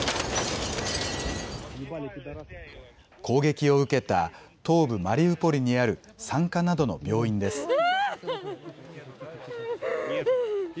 攻撃を受けた東部マリウポリにある産科などの病院です。